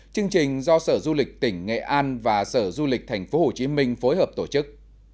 chương trình do sở du lịch tỉnh nghệ an và sở du lịch tp hcm phối hợp tổ chức